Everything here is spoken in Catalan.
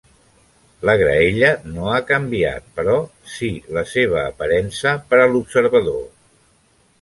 La graella no ha canviat, però sí la seva "aparença" per a l'observador.